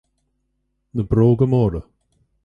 Na bróga móra